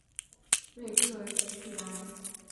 瑞克叙埃。